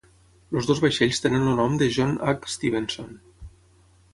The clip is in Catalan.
Els dos vaixells tenen el nom de John H. Stevenson.